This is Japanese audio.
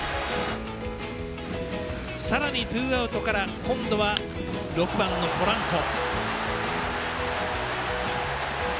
さらにツーアウトから今度は６番のポランコ。